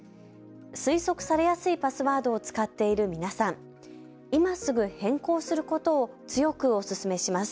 推測されやすいパスワードを使っている皆さん、今すぐ変更することを強くお勧めします。